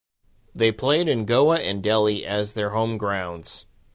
They played in Goa and Delhi as their home grounds.